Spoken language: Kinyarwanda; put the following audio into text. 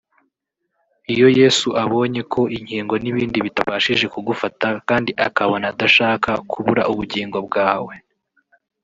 Iyo Yesu abonye ko inkingo n’ibindi bitabashije kugufata kandi akabona adashaka kubura ubugingo bwawe